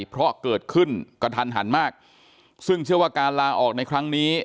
เพราะเกิดขึ้นกระทันหันมากซึ่งเชื่อว่าการลาออกในครั้งนี้